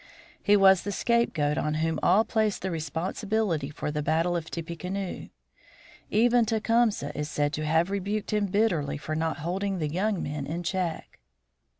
He was the scapegoat on whom all placed the responsibility for the battle of Tippecanoe. Even Tecumseh is said to have rebuked him bitterly for not holding the young men in check.